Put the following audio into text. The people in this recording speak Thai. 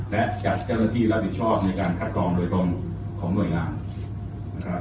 และจัดเจ้าหน้าที่รับผิดชอบในการคัดกรองโดยตรงของหน่วยงานนะครับ